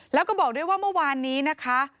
แล้วก็บอกด้วยว่าเมื่อวานนี้นะคะ